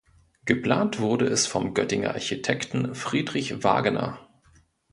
Geplant wurde es vom Göttinger Architekten Friedrich Wagener.